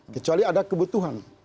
kecuali ada kebutuhan